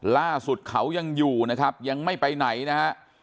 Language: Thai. ล่าสุดเขายังอยู่นะครับยังไม่ไปไหนนะฮะ